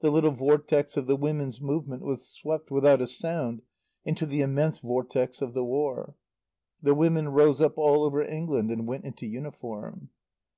The little vortex of the Woman's Movement was swept without a sound into the immense vortex of the War. The women rose up all over England and went into uniform.